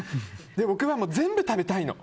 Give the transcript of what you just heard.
で、僕は全部食べたいの。